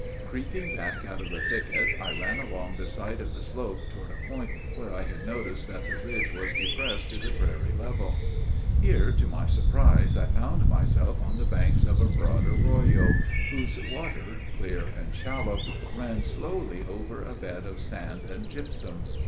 Creeping back out of the thicket, I ran along the side of the slope toward a point, where I had noticed that the ridge was depressed to the prairie level. Here, to my surprise, I found myself on the banks of a broad arroyo, whose water, clear and shallow, ran slowly over a bed of sand and gypsum.